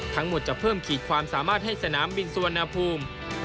ทั้งหมดจะเพิ่มขีดความสามารถให้สนามบินสุวรรณภูมิ